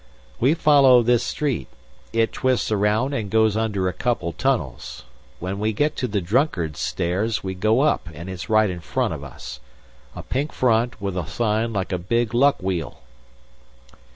"We follow this street. It twists around and goes under a couple tunnels. When we get to the Drunkard's Stairs we go up and it's right in front of us. A pink front with a sign like a big Luck Wheel."